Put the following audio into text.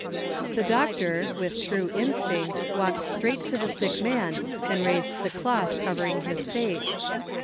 The doctor, with true instinct, walked straight to the sick man and raised the cloth covering his face.